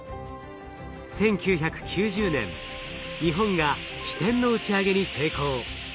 １９９０年日本が「ひてん」の打ち上げに成功。